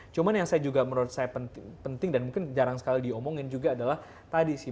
cuma yang saya juga menurut saya penting dan mungkin jarang sekali diomongin juga adalah tadi sih